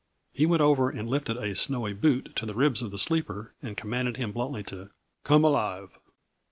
He went over and lifted a snowy boot to the ribs of the sleeper and commanded him bluntly to "Come alive."